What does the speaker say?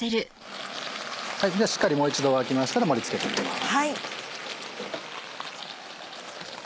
ではしっかりもう一度沸きましたら盛り付けていきます。